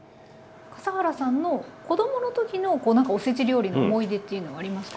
笠原さんの子供の時のおせち料理の思い出っていうのはありますか？